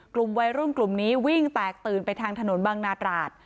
กลุ่มวัยรุ่นกลุ่มนี้วิ่งแตกตื่นไปทางถนนบางนาตราด